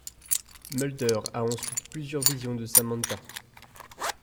Mulder a ensuite plusieurs visions de Samantha.